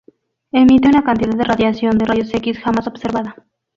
Emite una cantidad de radiación de rayos X jamás observada.